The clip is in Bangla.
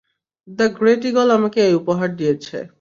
হ্যাঁ, গ্রেট ঈগল আমাকে এই উপহার দিয়েছে।